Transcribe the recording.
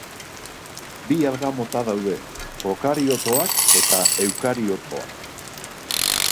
Bi alga mota daude: prokariotoak eta eukariotoak